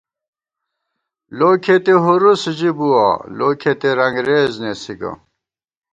لو کھېتی ہُروس ژِی بُوَہ ، لو کھېتی رنگرېز نېسی گہ